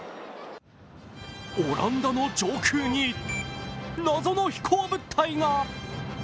オランダの上空に謎の飛行物体が。